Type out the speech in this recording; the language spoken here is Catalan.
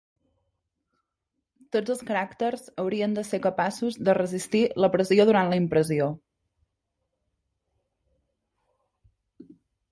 Tots els caràcters haurien de ser capaços de resistir la pressió durant la impressió.